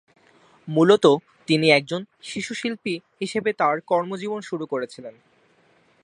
মূলতঃ তিনি একজন শিশুশিল্পী হিসেবে তার কর্মজীবন শুরু করেছিলেন।